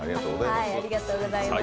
ありがとうございます。